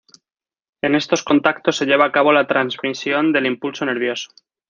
En estos contactos se lleva a cabo la transmisión del impulso nervioso.